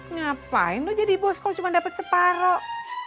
ngapain lo jadi bos kalo cuma dapet separoh